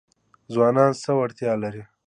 ځوانان څه وړتیا لري؟